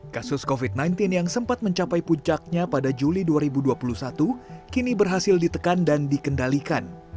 kasus covid sembilan belas yang sempat mencapai puncaknya pada juli dua ribu dua puluh satu kini berhasil ditekan dan dikendalikan